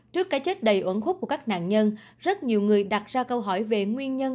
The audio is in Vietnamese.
trước cái chết đầy ổn khúc của các nạn nhân rất nhiều người đặt ra câu hỏi về nguyên nhân